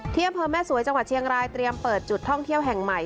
อำเภอแม่สวยจังหวัดเชียงรายเตรียมเปิดจุดท่องเที่ยวแห่งใหม่